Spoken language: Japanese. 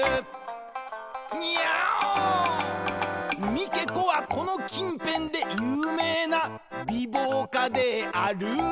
「三毛子はこの近辺で有名な美貌家である」